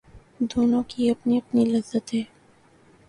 دونوں کی اپنی اپنی لذت ہے